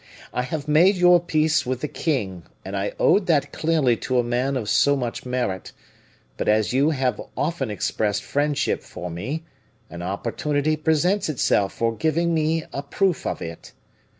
I have made your peace with the king, and I owed that clearly to a man of so much merit; but as you have often expressed friendship for me, an opportunity presents itself for giving me a proof of it.